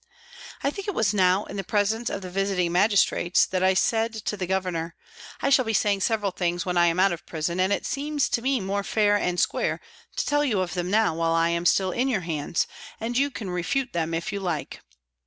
I think it was now, in the presence of the Visiting Magistrates, that I said to the Governor, " I shall be saying several things when I am out of prison, and it seems to me more fair and square to tell you of them now while I am still in your hands, and you can refute them if you like."